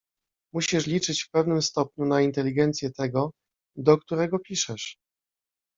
"Musisz liczyć w pewnym stopniu na inteligencję tego, do którego piszesz."